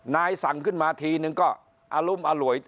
สั่งขึ้นมาทีนึงก็อรุมอร่วย